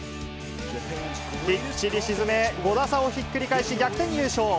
きっちり沈め、５打差をひっくり返し、逆転優勝。